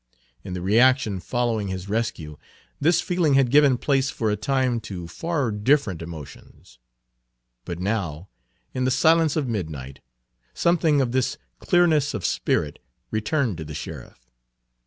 In the reaction Page 91 following his rescue, this feeling had given place for a time to far different emotions. But now, in the silence of midnight, something of this clearness of spirit returned to the sheriff.